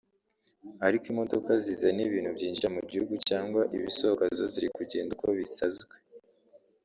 ariko imodoka zizana ibintu byinjira mu gihugu cyangwa ibisohoka zo ziri kugenda uko bisazwe